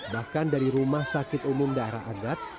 bahkan dari rumah sakit umum daerah agats